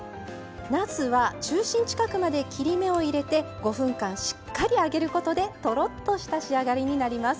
なすは中心近くまで切り目を入れて５分間、しっかり揚げることでとろっとした仕上がりになります。